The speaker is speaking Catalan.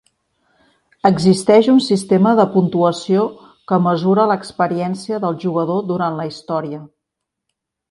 Existeix un sistema de puntuació que mesura l'experiència del jugador durant la història.